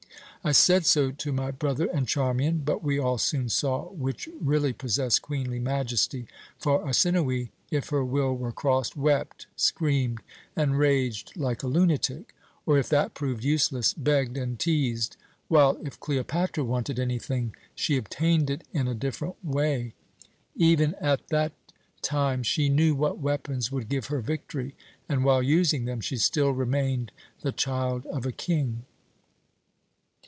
I said so to my brother and Charmian; but we all soon saw which really possessed queenly majesty; for Arsinoë, if her will were crossed, wept, screamed, and raged like a lunatic, or, if that proved useless, begged and teased; while if Cleopatra wanted anything she obtained it in a different way. Even at that time she knew what weapons would give her victory and, while using them, she still remained the child of a king.